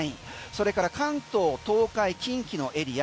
それから関東、東海、近畿のエリア。